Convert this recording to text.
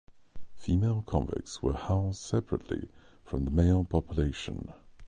Female convicts were housed separately from the male population.